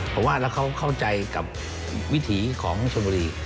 ผมว่าแล้วเขาเข้าใจกับวิถีของชนบุรี